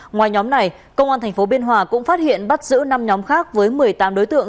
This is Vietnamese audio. ngoài nhóm này công an tp biên hòa cũng phát hiện bắt giữ năm nhóm khác với một mươi tám đối tượng